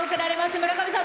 村上さん